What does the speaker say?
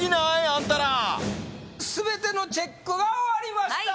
あんたら全てのチェックが終わりました